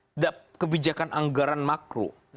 tidak kebijakan anggaran makro